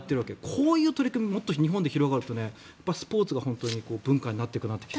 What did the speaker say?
こういう取り組みがもっと日本で広がるとスポーツが文化になっていく気が。